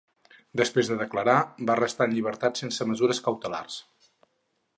Després de declarar, va restar en llibertat sense mesures cautelars.